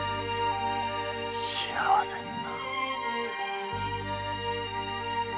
幸せにな。